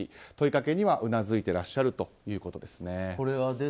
問いかけにはうなずいていらっしゃるということです。